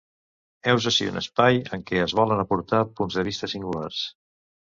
Heus ací un espai en què es volen aportar punts de vista singulars.